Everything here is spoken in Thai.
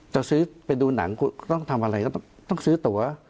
จะซื้อไปดูหนังคุณต้องทำอะไรก็ต้องซื้อตัว